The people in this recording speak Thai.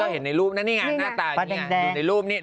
ก็เห็นในรูปนะนี่ไงหน้าตา